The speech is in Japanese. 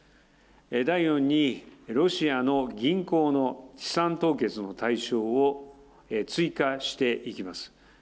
第４にロシアの銀行の資産凍結の対象を追加していきます。